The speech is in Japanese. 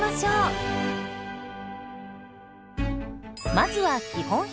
まずは基本編。